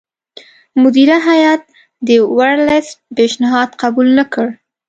مدیره هیات د ورلسټ پېشنهاد قبول نه کړ.